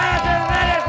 ya udah pause